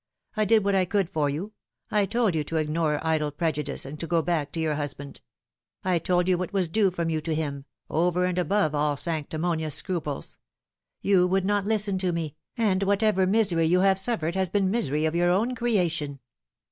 I did what I could for you. I told you to ignore idle prejudice and to go back to your husband. I told you what was due from you to him, over and above all sanctimonious ecruples. You would not listen to me, and whatever misery you have suffered has been misery of your own creation.